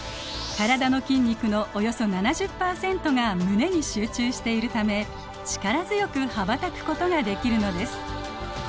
体の筋肉のおよそ７０％が胸に集中しているため力強く羽ばたくことができるのです。